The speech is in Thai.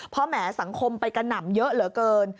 เพราะแหมสังคมไปกระหน่ำเยอะเหลือเกิน